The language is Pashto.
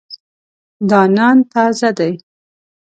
دا نان تازه دی.